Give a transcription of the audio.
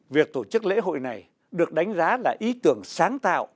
việc tổ chức lễ hội này được đánh giá là ý tưởng sáng tạo